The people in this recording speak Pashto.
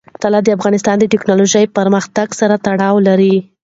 طلا د افغانستان د تکنالوژۍ پرمختګ سره تړاو لري.